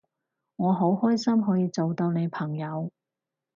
我好開心可以做到你朋友